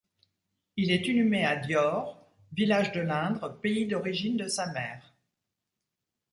Il est inhumé à Diors, village de l'Indre, pays d'origine de sa mère.